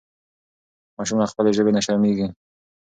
ماشوم له خپلې ژبې نه شرمېږي.